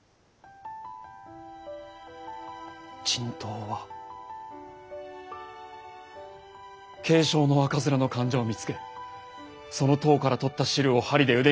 人痘は軽症の赤面の患者を見つけその痘からとった汁を針で腕に刺せばそれで済む。